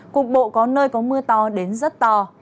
cục bộ có nơi có mưa to đến rất to